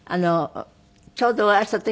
ちょうどお会いした時はね